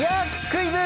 クイズ？